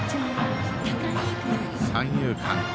三遊間。